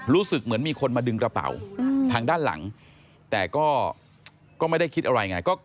รู้สึกเหมือนมีคนมาดึงกระเป๋าทางด้านหลังแต่ก็ไม่ได้คิดอะไรไง